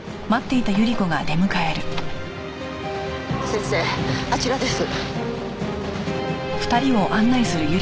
先生あちらです。